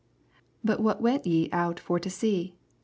25 But what went ye out for to see?